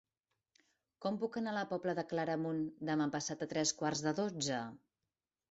Com puc anar a la Pobla de Claramunt demà passat a tres quarts de dotze?